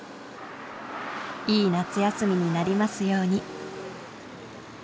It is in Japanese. いい夏休みになりますように。